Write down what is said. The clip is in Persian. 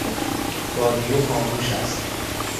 رادیو خاموش است.